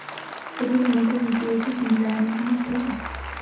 Posiblemente existió otra similar en el tramo izquierdo.